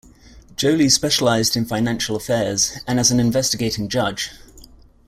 Joly specialised in financial affairs, and as an investigating judge.